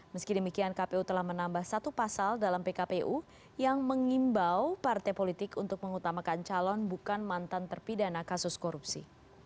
meski demikian kpu telah menambah satu pasal dalam pkpu yang mengimbau partai politik untuk mengutamakan calon bukan mantan terpidana kasus korupsi